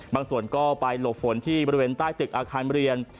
ส่วนก็ไปหลบฝนที่บริเวณใต้ตึกอาคารเรียน